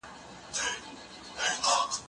زه موبایل کارولی دی!؟